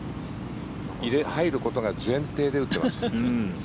入ることが前提で打ってます。